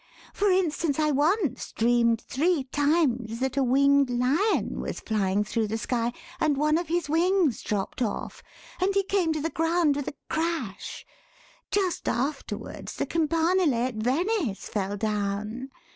For instance, I once dreamed three times that a winged lion was flying through the sky and one of his wings dropped off, and he came to the ground with a crash; just afterwards the Campanile at Venice fell down.